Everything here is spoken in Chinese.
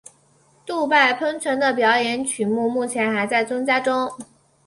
杜拜喷泉的表演曲目目前还在增加中。